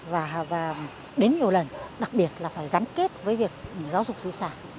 và đến nhiều lần đặc biệt là phải gắn kết với việc giáo dục di sản